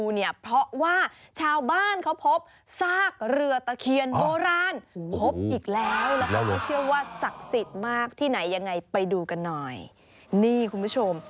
นี่คุณผู้ชม